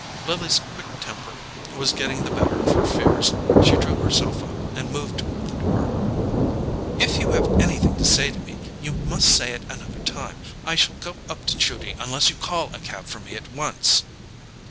Lily's quick temper was getting the better of her fears. She drew herself up and moved toward the door. "If you have anything to say to me, you must say it another time. I shall go up to Judy unless you call a cab for me at once."